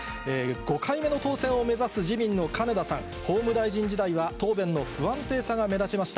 ５回目の当選を目指す自民の金田さん、法務大臣時代は、答弁の不安定さが目立ちました。